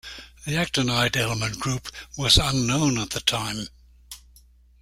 The actinide element group was unknown at the time.